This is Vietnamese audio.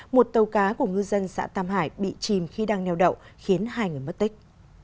một tàu cá của ngư dân xã tam hải bị chìm khi đang neo đậu khiến hai người mất tích